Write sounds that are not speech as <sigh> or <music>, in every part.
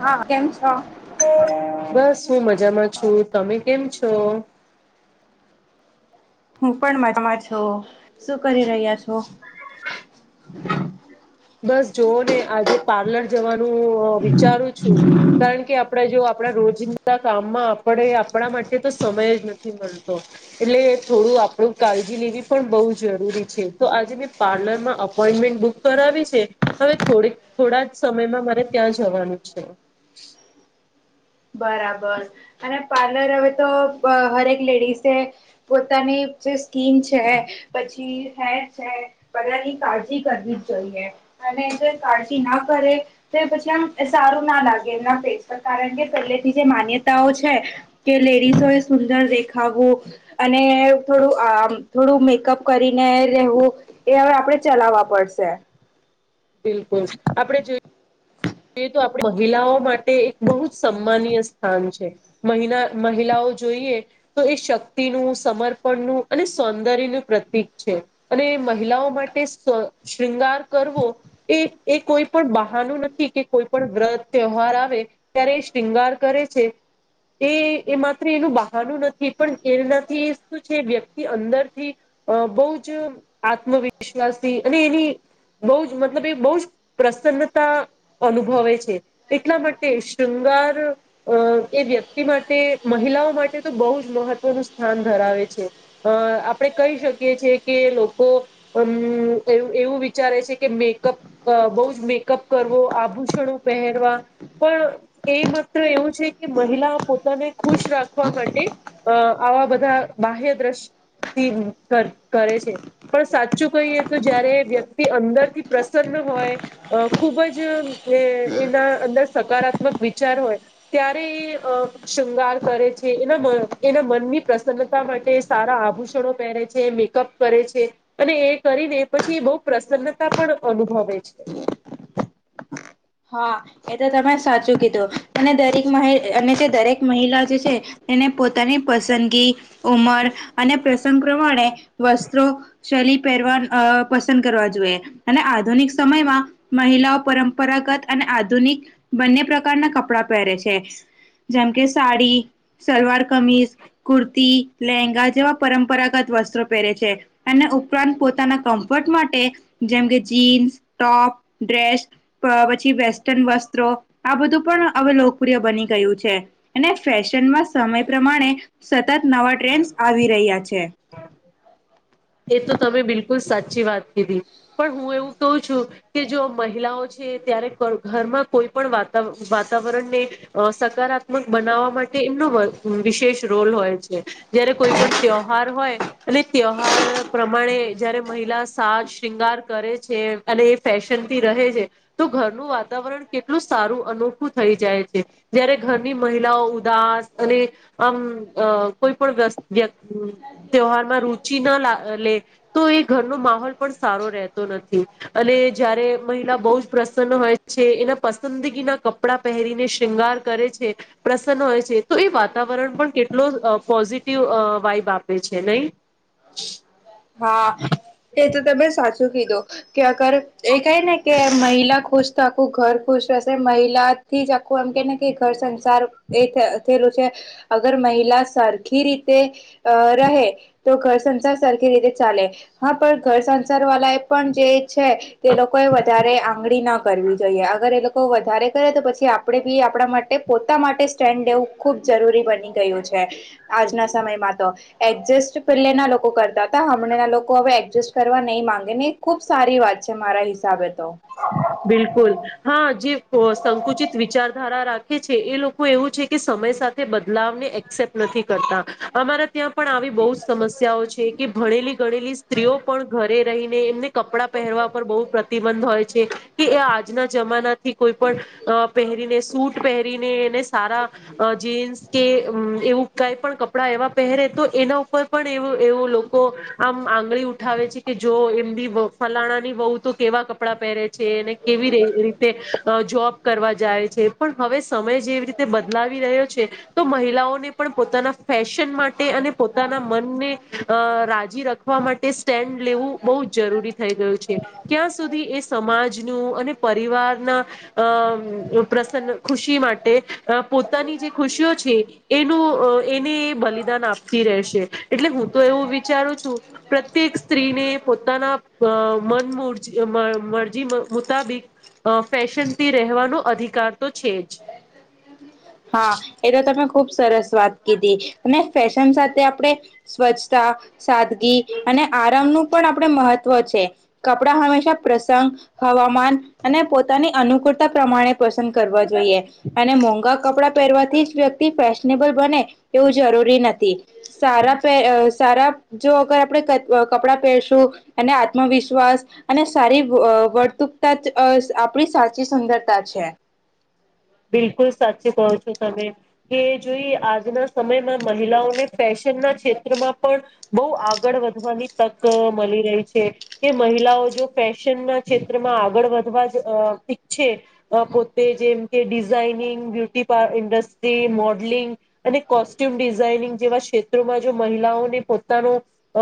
હા, કેમ છો બસ હું મજામાં છું, તમે કેમ છો હું પણ મજામાં છું શું કરી રહ્યા છો <inaudible> બસ જોવો ને આજે પાર્લર જવાનું વિચારું છું કારણ કે આપદા જો આપના રોજિંદા કામમાં આપણે આપણા માટે તો સમય જ નથી મળતો એટલે થોડું તો આપણું કાળજી લેવી પણ બહુ જરૂરી છે તો આજે મેં પાર્લરમાં અપોઈન્ટમેન્ટ બુક કરાવીશ ટે હવે થોડી થોડાક જ સમયમાં મારે ત્યાં જવાનું છે બરાબર અને પાર્લર હવે તો હરેક લેડીસે પોતાની જે સ્કિન છે પછી હેર છે બધાની કાળજી કરવી જ જોઈએ અને જો કાળજી ના કરે તો પછી આમ સારું ના લાગે એમના ફેસપર કારણ કે પહેલેથી જે માન્યતાઓ છે કે લેડીસો એ સુંદર દેખાવવું અને થોડું આ થોડું મેકઅપ કરીને રહેેવું એ હવે આપણે ચલાવવા પડશે જો તો આપ મહિલાઓ માટે એક બહુ જ સન્માનીય સ્થાન છે મહ મહિલાઓ જોઈએ તો એ શક્તિનું સમર્પણનું અને સૌંદર્યનું પ્રતિક છે અને મહિલાઓ માટે શૃંગાર કરવો એ એ કોઈ પણ બહાનું નથી કે કોઈ પણ વ્રત તહેવાર આવે ત્યારે એ શૃંગાર કરે છે એ એ માત્ર એનું બહાનું નથી પણ એનાથી શું છે વ્યક્તિ અંદરથી અ બહુ જ આત્મવિશ્વાસથી અને એની બહુ જ મતલબ એ બહુ જ પ્રસન્નતા અનુભવે છે એટલા માટે શૃંગાર એ વ્યક્તિ માટે મહિલા માટે તો બહુ જ મહત્વનું સ્થાન ધરાવે છે અ આપણે કહી શકીએ છીએ કે એવું વિચારે છે કે મેકઅપ બો જ મેકઅપ કરવો ભૂષણો પહેરવા પણ એ માત્ર એવું છે કે મહિલા પોતાને ખુશ રાખ રાખવા માટે આવા બધા બાહ્ય દ્રશ કરે છે પણ સાચું કહીએ તો જયારે વ્યક્તિ અંદરથી પ્રસન્ન હોય ખૂબ જ અ એ એના અંદર સકારાત્મક વિચાર હોય ત્યારે એ શૃંગાર કરે છે એના એના મનની પ્રસન્નતા માટે સારા આભૂષણો પહેરે છે મેકઅપ કરે છે અને એ કરીને પછી બહુ પ્રસન્નતા પણ અનુભવે છે હા એ તો તમે સાચું કીધું અને દરેક અને જે દરેક મહિલા જે છે એને પોતાની પસંદગી ઉમર અને પ્રસંગ પ્રમાણે વસ્ત્રો શૈલી પહેરવાન પસંદ કરવા જોઈએ અને આધુનિક સમયમાં મહિલાઓ પરંપરાગત અને આધુનિક બંને પ્રકારના કપડા પહેરે છે જેમ કે સાડી સલવાર કમીઝ કુર્તી લેહેંગા જેવા પરંપરાગત વસ્ત્રો પહેરે છે અને ઉપરાંત પોતાના કમ્ફર્ટ માટે જેમ કે જીન્સ ટોપ <inaudible> વસ્ટ વત્રો આ બધ પણ હ લોકપ્રિય બની ગયું છે અને ફેશમાં. સમય પ્રમાણે સતત નવા ટ્રેન્સ આવી રહ્યા છે. એ તો તમે બિલકુલ. લ સાચી વાત કીધી પણ હું એવું ક છું કે જો મહિલાઓ છે ત્યારે ઘર. કોઈ પણ વાતાવરણને સકારાત્મક બનાવવા માટે એમનો વિશેષ. રોલ હોય છે જય્યારે કોઈ પણ ત. તાર હોય અને તહેવાાર પ્રમાણે જયારે મહિલા સાજ શૃંગાર કરે છે. અને એ ફેશન થી રહે છે તો ઘરનું વાતાવરણ કેટલું સારું અનોખું થઈ જાય છે. જયારે ઘરની મહિલાઓ ઉદાસ અને આમ કોઈ પણ વ્ય વ્યક્તિ. તહેવારમાં રુચિ ના લે તો એ ઘરનો માહોલ પણ સારો રહેતો નથી. જયારે મહિલા બહુ જ પ્રસન્ન હોય છે એના પસંદગી ના કપડા પહેરીને શંગાર. કરે છે પ્રસન્ન હોય છે તો એ વાતાવરણ પણ કેટલો પોઝિટિવ વાબ આપે. છે નઈ. હા એ તો તમે સાચ. કીધો કે અગર એ કહે ને કે મહિલા ખુશ થખું ઘર ખુશ રહેશે મહિલા. થી જ આખું એમ કેને કે ઘર સંસાર એ થયેલો છે. અગર મહિલા સરખી રીતે રહે તો ઘર સંસાર સરખ. તેરીતે ચાલે હા પણ ઘર સંસાર વાલા એ પણ જે છે તે લોકોએ વધારે આંગળી. ના કરવી જોઈએ અગર એ લોકો વધારે કરે તો પછી આપેડે બી આપડા માટે પોતા માટે સ્ટેન્ડ લેવું. ખૂબ જરૂરી બની ગયું છે. આજના સમયમાં તો એડજસ્ટ પેલ્લેના લોકો કરતા. તા હમણેના લોકો હવે એડજસ્ટ કરવા નઈ માંગે ને એ ખુબ સારી વાત છે મારા હિસાબે. તો બિલકુલ હા જીવ. તો અ સંકુચિત વિચારધારા રાખે છે એ લોકો એવું છે કે સમય સાથે બદલાવને એક્સેપ્ટ નથી. થી કરતા અમારા ત્યાં. પણ આવી બહુ જ સમસ્યાઓ છે કે ભણેલી ગણેલી સ્ત્રીઓ પણ ઘરે રહી. ને એમને કપડાં પહેરવા પર બોઉ પ્રતિબંધ હોય. કે છે એ આજના જમાના થી કોઈ પણ અ પહેરીને સૂટ પહેરીને એને. સારા અ જીન્સ. કે ઉમ્મ એવું કઈ પણ કપડા એવા પહેરે તો એના ઉપર પણ એવું એવું લોકો આમ. આંગળી ઉઠાવે છે કે જો એમની વ ફલાણાની વઉ તો કેવા કપડાં. પેરે છે એને કેવી રે રીતે અ જોબ કરવા જાય. છે પણ હવે સમય જેવી રીતે બદલાવી રહ્યો છે તો મહિલાઓને પણ પોતાના ફેશન માટ. ટે અને પોતાના મનને અ રાજી રખવા માટે સ્ટેન્ડ લેવું બૌ જ જરૂરી થય. ગયું છે ક્યાં સુધી એ. સમાજનું અને પરિવારના અ ઉત્રસન્ન ખુશી માટે અ. પોતાની જે ખુશીઓ છે એનું અ એને એ બલિદાન આપતી રેહશે એટલે હું તો એ. ઉ વિચારું છું પ્રત્યેક સ્ત્રીને પોતાના અ મન મૂરજી અ જીમ મુતાબિક અ ફેશનથી રહેવાનો અધિકાર તો છે જ. હા એ તો તમે ખુબ સરસ વાત કીધી અને. ફેશન સાથે આપડે સ્વચ્છતા સાદગી અને આરામનું. પણ આપડે મહત્વ છે કપડા હંમેશા પ્રસંગ હવામાન અને પોતાની અનુકૂળ. તા પ્રમાણે પસંદ કરવા જોઈએ અને મોંઘા ક. કપડા પહેરવાથી જ વ્યક્તિ ફેશનેબલ બને એવું જરૂરી નથી. સારા પે અ સારા. જો અગર આપડે કત કપડા પહેરશું અને આત્મવિશ્વાસ અને સારી અ વર્ત. આપણી સાચી સુંદરતા છે. <inaudible> બિલકુલ સાચી કહો છો તમે કે જોઈ આજના સમયમાં મહિલાઓને ફેશ. નના ક્ષેત્રમાં પણ બહુ આગળ વધવાની તક મલી રહી છે તે મહિલાઓ. જો ફેશન ના ક્ષેત્રમાં આગળ વધવા જ અ ઈચ્છે પોતે જેમ કે ડિઝાઇનિંગ બ્યુટી પાર ઇન્ડસ્ટ્રી મોડલિંગ અને કોસ્ટ્યુમ ડિઝઇનિંગ જેવા ક્ષેત્રોમાં જો મહિલાઓને પોતાનો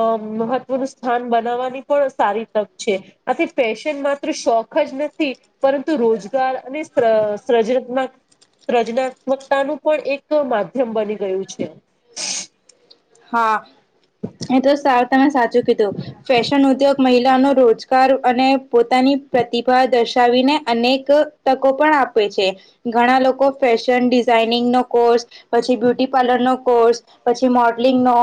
અ મહત્વનું સ્થાન બનાવવાની પણ સારી તક છે આથી ફેશન માત્ર શોખ જ નથી પરંતુ રોજગાર અને શ્ર <unintelligible> પ્રજનાત્મકતા પણ એક માધ્યમ બની ગયું છે. હા એ તો સાર તમે સાચું કીધું ફેશન ઉદ્યોગ મહિલાનો રોજગાર અને પોતાની પ્રતિભા દર્શાવીને અનેક તકો પણ આપે છે ઘણા લોકો ફેશન ડિઝઇનિંગ નો કોર્સ પછી બ્યુટી પાર્લર નો કોર્સ પછી મોડ લિંગનો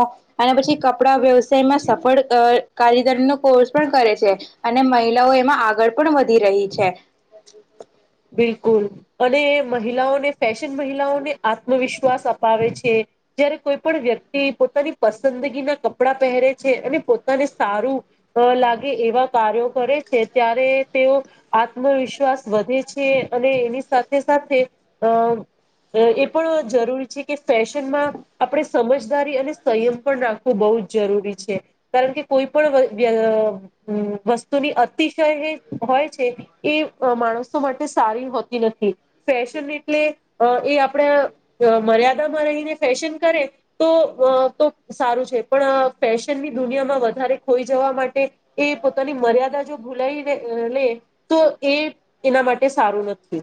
અને પછી કપડા વ્યવસાયમાં સફળ અ કારીદર નો કોર્સ પણ કરે છે અને મહિલાઓ એમાં આગળ પણ વધી રહી છે. બિલકુલ અને મહિલાઓને ફેશન મહિલાઓને આત્મવિશ્વાસ અપાવે છે. જયારે કોઈ પણ વ્યક્તિ પોતાની પસંદગી ના કપડા પહેરે છે અને પોતાને સારું અ લાગે એવા કાર્યો કરે છે ત્યારે તેઓ આત્મવિશ્વાસ વધે છે અને એની સાથે સાથે અ અ એ પણ જરૂરી છે કે ફેશનમાં આપડે સમજદારી અને સંયમ પણ રાખવું બૌ બહુ જરૂરી છે કારણ કે કોઈ પણ વ વ્ય અ ઉમ્મ વસ્તુની અતિશય હોય છે એ માણસ માટે સારી હોતી નથી ફેશન એટલે એ આપણે મર્યાદામાં ફેશન કરે તો સારું છે, પણ ફેશનની દુનિયામાં વધારે એ જવા માટે એ પોતાની મર્યાદા જો ભૂલાવી લે તો એ એના માટે સારું નથી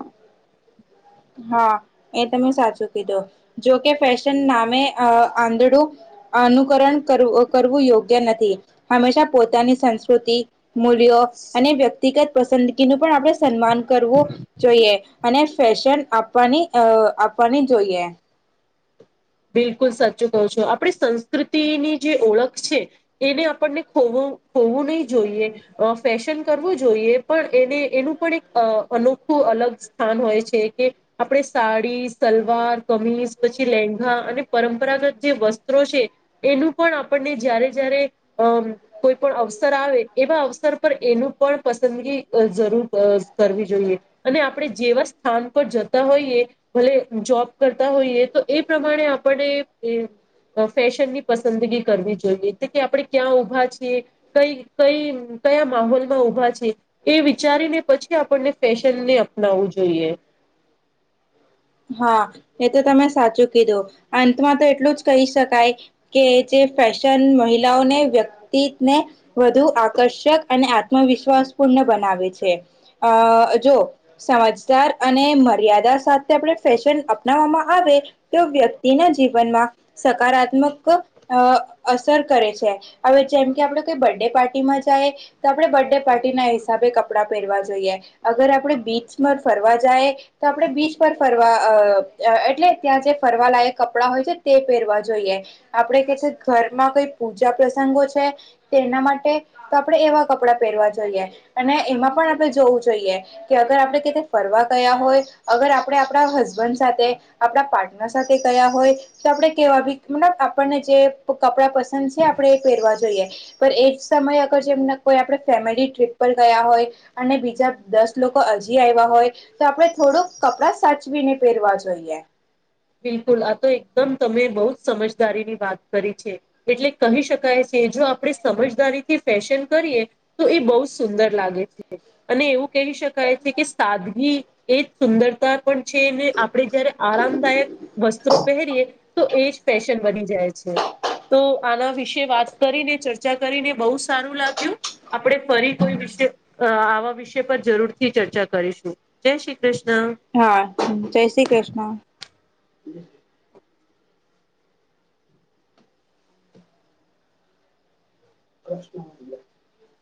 હા, એ તમે સાચું કીધું જોકે ફેશન નામે આંધળું અનુકરણ કરવું કરવું યોગ્ય નથી હંમેશા પોતાની સંસ્કૃતિ મૂલ્યો અને વ્યક્તિગત પસંદગીનું પણ આપણે સન્માન કરવું જોઈએ અને ફેશન આપવાની અ આપવાની જોઈએ બિલકુલ સાચું કહ છો, આપણી સંસ્કૃતિની જે ઓળખ છે એને આપણને ખો એવું ની જોઈએ, અ ફેશન કરવું જોઈએ પણ એને એનું પણ એક અનોખું અલગ સ્થાન હોય છે, કે આપણે સાડી, સલવાર, કમીજ, પછી લેંગો અને પરંપરાગત જે વસ્ત્રો છે એનું પણ આપણને જ્યારે જયારે અમ કોઈ પણ અવસર આવે એવા અવસર પર એનું પણ પસંદગી જરૂર કરવી જોઈએ અને આપણે જેવા સ્થાન પર જતા હોઈએ ભલે જોબ કરતા હોઈએ તો એ પ્રમાણે આપણે એ ફેશન ની પસંદગી કરવી જોઈએ તો કે આપણે ક્યાં ઊભા છીએ કઈ કઈ કયા માહોલમાં ઊભા છે એ વિચારીને પછી આપણને ફેશનને અપનાવવું જોઈએ <inaudible> હા, એ તો તમે સાચું કીધું અંતમાં તો એટલું જ કહી શકાય કે જે ફેશન મહિલાઓને, વ્યક્તિને વધુ આકર્ષક અને આત્મવિશ્વાસપૂર્ણ છે, અ જો સમજદાર અને મર્યાદા સાથે આપણે ફેશન અપનાવવામાં આવે તો વ્યક્તિના જીવનમાં સકારાત્મક અ અસર કરે છે હવે જેમ કે આપડે કોઈ બર્થ ડે પાર્ટીમાં જાય તો આપડે બર્થ ડે પાર્ટી ના હિસાબે કપડા પહેરવા જોઈએ અગર આપડે બીચમાં ફરવા જઈ તો આપડે બીચ ફરવા એટલે ત્યાં જે ફરવાલાયક કપડા હોય છે તે પહેરવા જોઈએ આપણે ઘરમાં કઈ પૂજા પ્રસંગો છે તેના માટે તો આપડણે એવા કપડા પહેરવા જોઈએ અને એમાં પણ આપણે જોવું જોઈએ કે અગર આપડણે ફરવા ગયા હોય અગર આપણે આપણા હસબન્ડ સાથે આપણા પાર્ટનર સાથે ગયા હોય તો આપણેે કેવા મબ આપણને કપડા પસંદ છે આપણે એ પહેરવા જોઈએ પણ એ જ સમયે અગર જેમ કોઈ આપ ફેમિલી ટ્રીપ પર ગયા હોય અને બીજા દસ લોકો હજી આવ્યા હોય તો આપડે થોડું કપડા સચવીને પહેરવા જોઈએ બિલકુલ આ તો એકદમ તમે બહુ જ સમજદારીની વાત કરી છે એટલે કહી શકાય છે કે જો આપણે સમજદારીથી ફેશન કરીએ તો એ બહુ સુંદર લાગે છે અને એવું કહી શકાય છે કે સાદગી એ જ સુંદરતા પણ છે ને આપણે જયારે આરામદાયક વસ્ત્રો પહેરીએ તો એજ ફેશન વધની જાય છે તો આના વિશે વાત કરીને ચર્ચા કરીને બહુ સારું લાગ્યું આપણે ફરી કોઈ વિષ અ આવા વિષય પર જરૂરથી ચર્ચા કરીશું જય શ્રી કૃષ્ણ હા જય શ્રી કૃષ્ણ <inaudible>